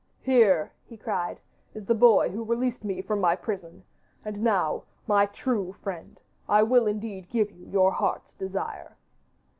'Here,' he cried, 'is the boy who released me from my prison. And now, my true friend, I will indeed give you your heart's desire.